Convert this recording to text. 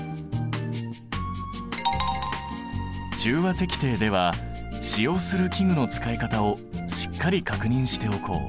滴定では使用する器具の使い方をしっかり確認しておこう。